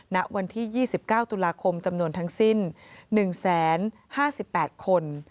ณวันที่๒๙ตุลาคมจำนวนทั้งสิ้น๑๐๕๘คน